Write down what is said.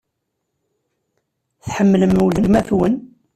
Tḥemmlem weltma-twen?